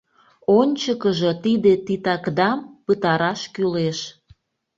Ончыкыжо тиде титакдам пытараш кӱлеш.